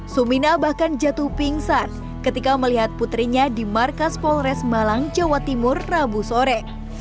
sumina bahkan jatuh pingsan ketika melihat putrinya di markas polres malang jawa timur rabu sore